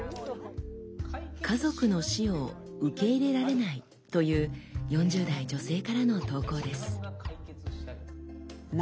「家族の死を受け入れられない」という４０代女性からの投稿です。